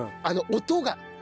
あの音が。